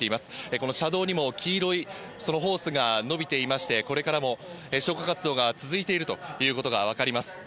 この車道にも黄色いホースが伸びていまして、これからも消火活動が続いているということが分かります。